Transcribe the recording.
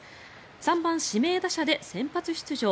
３番指名打者で先発出場。